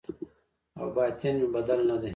او باطن مې بدل نه دی